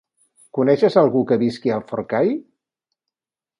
Coneixes algú que visqui a Forcall?